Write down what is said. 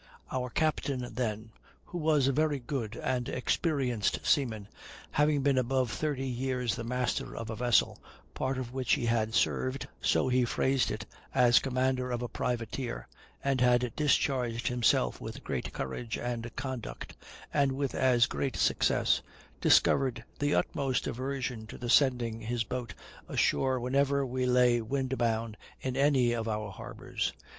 Our captain then, who was a very good and experienced seaman, having been above thirty years the master of a vessel, part of which he had served, so he phrased it, as commander of a privateer, and had discharged himself with great courage and conduct, and with as great success, discovered the utmost aversion to the sending his boat ashore whenever we lay wind bound in any of our harbors.